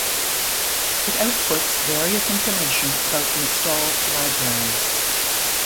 It outputs various information about installed libraries.